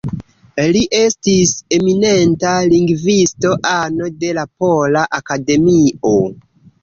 Li estis eminenta lingvisto, ano de la Pola Akademio.